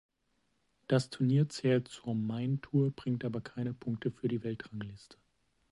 Das Turnier zählt zur Main Tour, bringt aber keine Punkte für die Weltrangliste.